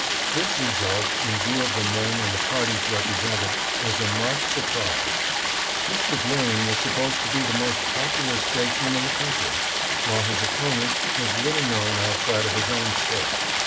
This result, in view of the men and the parties represented, was a marked sur prise. Mr. Blaine was supposed to be the most popu lar statesman in the country, while his opponent was little known outside of his own State.